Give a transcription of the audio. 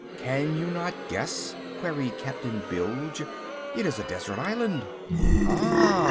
"Can you not guess?" queried Captain Bilge. "It is a desert island." "Ah!"